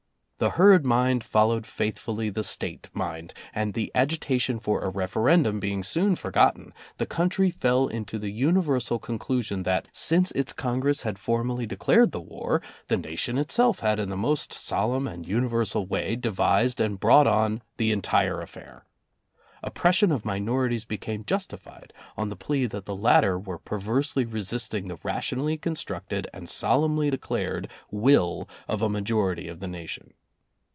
The herd mind followed faithfully the State mind and, the agitation for a referendum being soon for gotten, the country fell into the universal conclu sion that, since its Congress had formally declared the war, the nation itself had in the most solemn and universal way devised and brought on the entire affair. Oppression of minorities became justified on the plea that the latter were perversely resisting the rationally constructed and solemnly declared will of a majority of the nation.